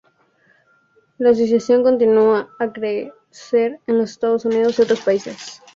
La asociación continúa a crecer en los Estados Unidos y otros países.